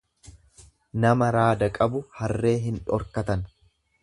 Nama raada qabu harree hin dhorkatan.